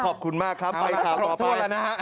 ขอบคุณมากครับไปข่าวต่อไป